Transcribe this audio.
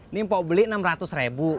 nih mpok beli rp enam ratus